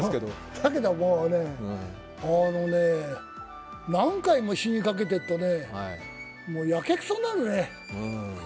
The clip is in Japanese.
だけどもう、何回も死にかけているとね、やけくそになるね。